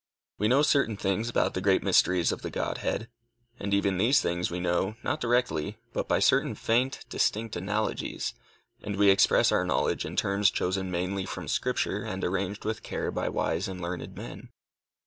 We know certain things about the great mysteries of the Godhead, and even these things we know, not directly, but by certain faint, distant analogies, and we express our knowledge in terms chosen mainly from Scripture and arranged with care by wise and learned men.